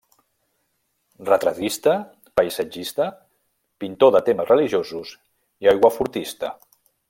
Retratista, paisatgista, pintor de temes religiosos i aiguafortista.